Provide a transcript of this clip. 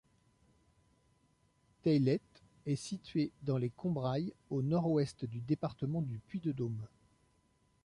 Teilhet est située dans les Combrailles, au nord-ouest du département du Puy-de-Dôme.